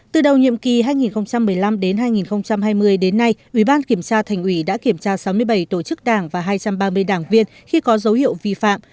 từ đầu nhiệm kỳ hai nghìn một mươi năm đến hai nghìn hai mươi đến nay ủy ban kiểm tra thành ủy đã kiểm tra sáu mươi bảy tổ chức đảng và hai trăm ba mươi đảng viên khi có dấu hiệu vi phạm